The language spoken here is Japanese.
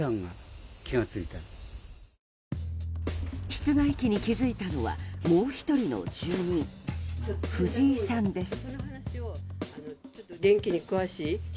室外機に気づいたのはもう１人の住人、藤井さんです。